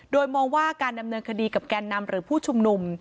โดยมองว่าการดำเนินคดีกับแกนนำหรือผู้ชุมนุม